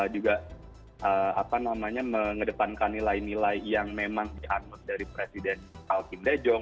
juga mengedepankan nilai nilai yang memang dianggap dari presiden kim dae jong